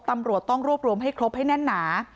ตำรวจต้องรวบรวมให้ครบให้แน่นหนา